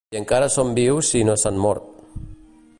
I encara són vius si no s'han mort.